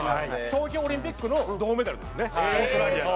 東京オリンピックの銅メダルですねオーストラリアは。